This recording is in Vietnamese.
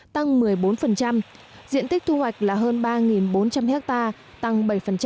tăng một mươi bốn diện tích thu hoạch là hơn ba bốn trăm linh ha tăng bảy